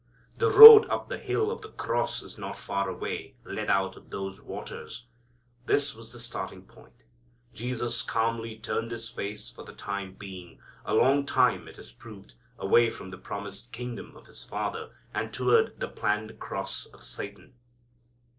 The road up the hill of the cross not far away led out of those waters. This was the starting point. Jesus calmly turned His face for the time being a long time it has proved away from the promised Kingdom of His Father and toward the planned cross of Satan.